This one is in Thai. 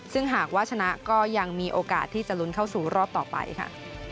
ซึ่งหากว่าชนะก็ยังมีโอกาสที่จะลุ้นเข้าสู่รอบต่อไปค่ะ